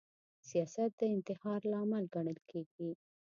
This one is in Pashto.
سیاست د انتحار لامل ګڼل کیږي